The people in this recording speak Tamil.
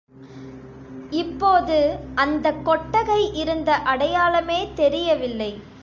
இப்போது அந்தக் கொட்டகை இருந்த அடையாளமே தெரியவில்லை.